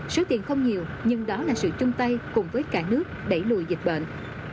số tiền không nhiều nhưng đó là sự chung tay cùng với cả nước đẩy lùi dịch bệnh